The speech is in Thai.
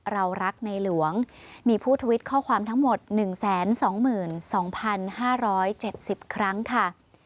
เรารักในหลวงมีผู้ทวิตข้อความทั้งหมด๑๒๒๕๗๐ครั้งค่ะ